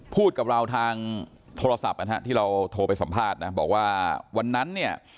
พูดกับเราทางโทรศัพท์นะฮะที่เราโทรไปสัมภาษณ์นะบอกว่าวันนั้นเนี่ย